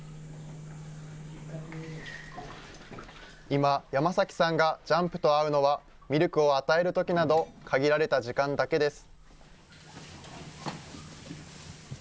今、山崎さんがジャンプと会うのは、ミルクを与えるときなど、限られた時間だけです。